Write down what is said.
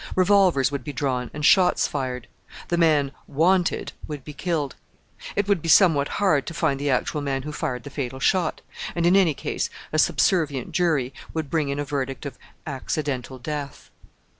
Revolvers would be drawn and shots fired the man "wanted" would be killed. It would be somewhat hard to find the actual man who fired the fatal shot, and, in any case, a subservient jury would bring in a verdict of "accidental" death.